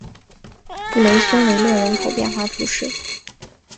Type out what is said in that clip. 布雷松维勒人口变化图示